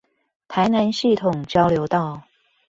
台南系統交流道